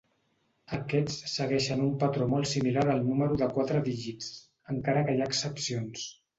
Aquests segueixen un patró molt similar al número de quatre dígits, encara que hi ha excepcions.